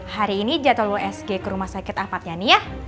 hari ini jadwal wsg ke rumah sakit apatnya nih ya